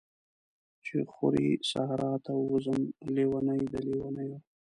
چی خوری صحرا ته ووځم، لیونۍ د لیونیو